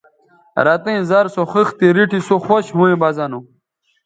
رَتیئں زر سو خِختے ریٹھی سو خوش ھویں بہ زہ نو